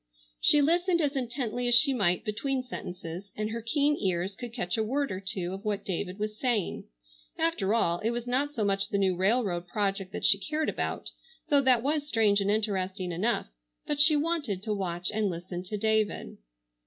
She listened as intently as she might between sentences, and her keen ears could catch a word or two of what David was saying. After all, it was not so much the new railroad project that she cared about, though that was strange and interesting enough, but she wanted to watch and listen to David.